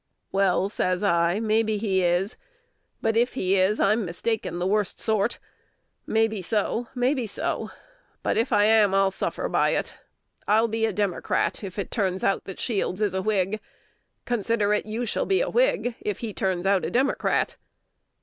"Well," says I, "maybe he is; but, if he is, I'm mistaken the worst sort. Maybe so, maybe so; but, if I am, I'll suffer by it; I'll be a Democrat if it turns out that Shields is a Whig; considerin' you shall be a Whig if he turns out a Democrat."